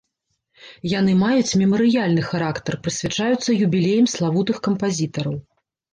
Яны маюць мемарыяльны характар, прысвячаюцца юбілеям славутых кампазітараў.